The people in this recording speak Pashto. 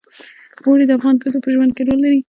اوړي د افغان ښځو په ژوند کې رول لري.